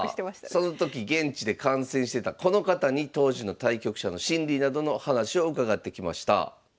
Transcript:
さあその時現地で観戦してたこの方に当時の対局者の心理などの話を伺ってきました。